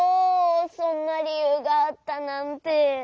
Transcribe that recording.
そんなりゆうがあったなんて。